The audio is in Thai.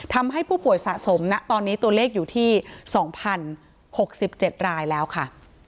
ทำให้ผู้ป่วยสะสมนะตอนนี้ตัวเลขอยู่ที่๒๐๖๗รายแล้วค่ะ